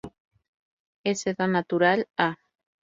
es seda natural. ah.